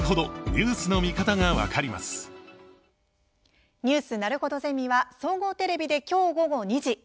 「ニュースなるほどゼミ」は、総合テレビできょう午後２時。